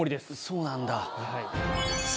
そうなんだ。